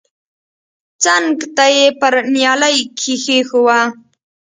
څنگ ته يې پر نيالۍ کښېښوه.